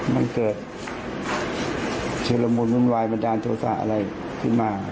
มันเกิดชุลมุนวุ่นวายบันดาลโทษะอะไรขึ้นมา